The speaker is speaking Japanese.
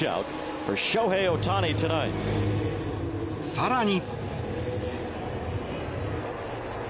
更に。